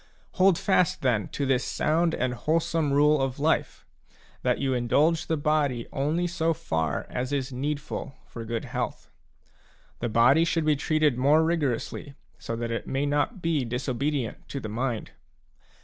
" Hold fast, then, to this sound and wholesome rule of life ; that you indulge the body only so far as is needful for good health. The body should be treated more rigorously, that it may not be dis obedient to the mind.